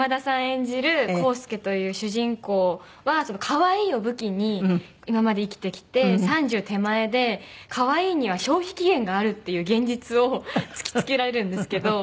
演じる康介という主人公は「可愛い」を武器に今まで生きてきて３０手前で「可愛い」には消費期限があるっていう現実を突き付けられるんですけど。